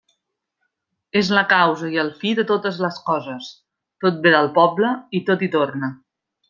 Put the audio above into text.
És la causa i el fi de totes les coses; tot ve del poble i tot hi torna.